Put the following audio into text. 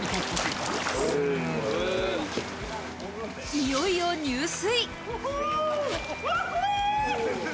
いよいよ入水。